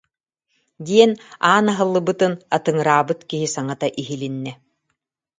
диэн, аан аһыллыбытын атыҥыраабыт киһи саҥата иһилиннэ